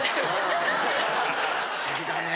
不思議だね。